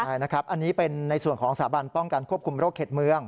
ใช่นะครับอันนี้เป็นในส่วนของสาบันป้องกันควบคุมโรคเข็ดเมือง